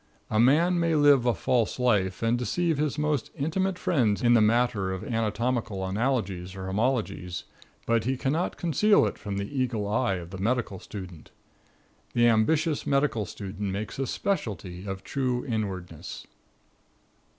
A man may live a false life and deceive his most intimate friends in the matter of anatomical analogies or homologies, but he cannot conceal it from the eagle eye of the medical student. The ambitious medical student makes a specialty of true inwardness.